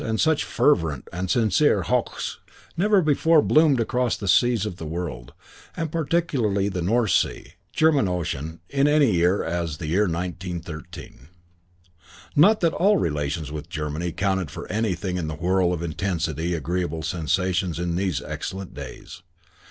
and such fervent and sincere "Hochs!" never boomed across the seas of the world, and particularly the North Sea or (nice and friendly to think) German Ocean, in any year as in the year 1913. II Not that relations with Germany counted for anything in the whirl of intensely agreeable sensations of these excellent days.